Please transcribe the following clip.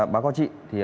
bác có chị